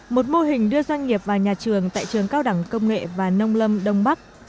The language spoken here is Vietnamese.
một mô hình đưa doanh nghiệp vào nhà trường tại trường cao đẳng công nghệ và nông lâm đông bắc